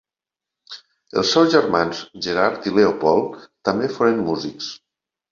Els seus germans Gerard i Leopold també foren músics.